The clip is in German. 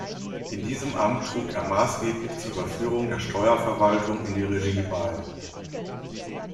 In diesem Amt trug er maßgeblich zur Überführung der Steuerverwaltung in die Regie bei.